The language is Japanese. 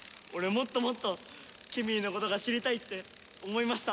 もっともっとケミーのことが知りたいって思いました。